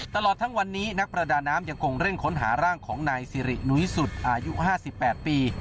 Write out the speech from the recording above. ตลอดทั้งวันนี้นักประดาน้ำยังคงเร่งค้นหาร่างของนายสิรินุ้ยสุดอายุ๕๘ปี